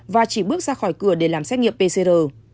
và chỉ bước ra khỏi cửa để làm xét nghiệm pcr